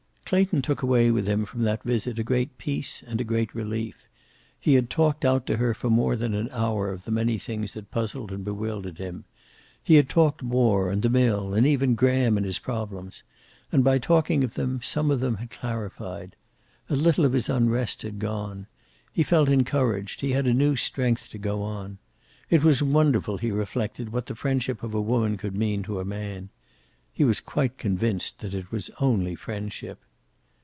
Clayton took away with him from that visit a great peace and a great relief. He had talked out to her for more than an hour of the many things that puzzled and bewildered him. He had talked war, and the mill, and even Graham and his problems. And by talking of them some of them had clarified. A little of his unrest had gone. He felt encouraged, he had a new strength to go on. It was wonderful, he reflected, what the friendship of a woman could mean to a man. He was quite convinced that it was only friendship.